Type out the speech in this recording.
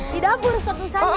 di dapur ustadz musanya